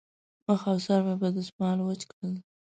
مخ او سر مې په دستمال وچ کړل.